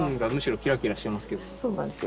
そうなんですよ。